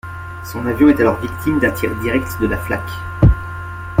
Son avion est alors victime d'un tir direct de la flak.